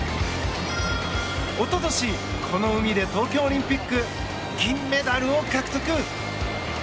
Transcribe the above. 一昨年、この海で東京オリンピック銀メダルを獲得。